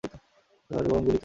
এবার বরং গুলিই খা!